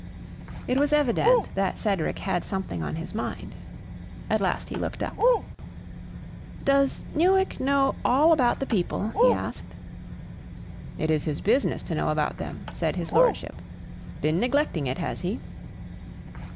It was evident that Cedric had something on his mind. At last he looked up. "Does Newick know all about the people?" he asked. "It is his business to know about them," said his lordship. "Been neglecting it has he?"